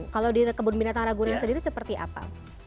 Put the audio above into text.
kalau di kebun binatang ragunan sendiri seperti apa